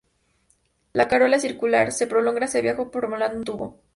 La corola es circular, se prolonga hacia abajo formando un tubo.